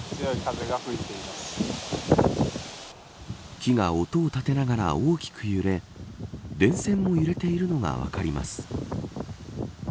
木が音を立てながら大きく揺れ電線も揺れているのが分かります。